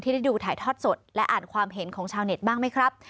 ได้ดูถ่ายทอดสดและอ่านความเห็นของชาวเน็ตบ้างไหมครับ